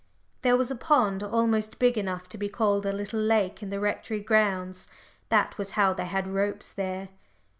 (There was a pond almost big enough to be called a little lake in the Rectory grounds: that was how they had ropes there.)